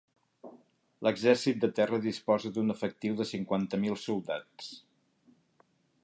L'exèrcit de terra disposa d'un efectiu de cinquanta mil soldats.